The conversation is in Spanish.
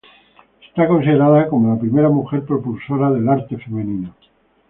Es considerada como la primera mujer propulsora del arte femenino.